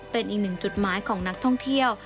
เป็นอีกหนึ่งจุดหมายของนักท่องเที่ยว